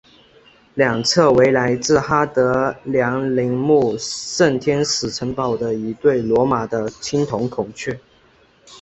两侧为来自哈德良陵墓圣天使城堡的一对罗马的青铜孔雀。